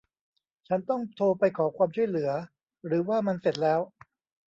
ฉันต้องโทรไปขอความช่วยเหลือ หรือ ว่ามันเสร็จแล้ว